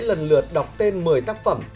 lần lượt đọc tên một mươi tác phẩm